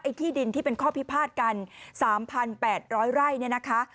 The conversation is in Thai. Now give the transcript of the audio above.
ไอ้ที่ดินที่เป็นข้อพิพาทกันสามพันแปดร้อยไร่เนี่ยนะคะ